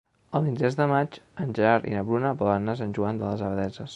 El vint-i-tres de maig en Gerard i na Bruna volen anar a Sant Joan de les Abadesses.